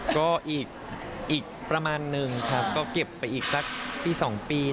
ก็อีกประมาณนึงครับก็เก็บไปอีกสักปี๒ปี